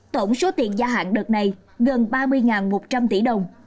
tổng số tiền gia hạn đợt này gần ba mươi một trăm linh tỷ đồng